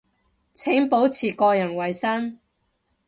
請保持個人衛生